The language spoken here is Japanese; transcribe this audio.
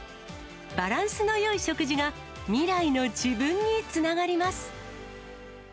バランスのよい食事が、未来の自分につながります。